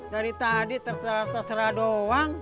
dari tadi terserah doang